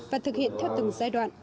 và thực hiện theo từng giai đoạn